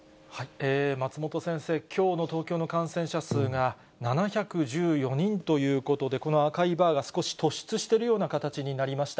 松本先生、きょうの東京の感染者数が７１４人ということで、この赤いバーが少し突出しているような形になりました。